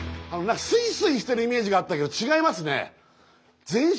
スイスイしてるイメージがあったけど違いますね。